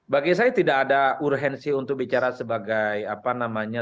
bagi saya tidak ada urgensi untuk bicara sebagai apa namanya